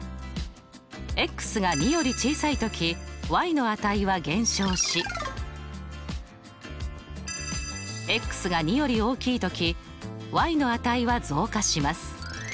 が２より小さいときの値は減少しが２より大きいときの値は増加します。